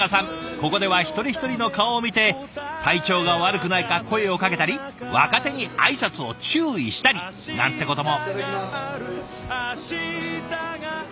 ここでは一人一人の顔を見て体調が悪くないか声をかけたり若手に挨拶を注意したりなんてことも。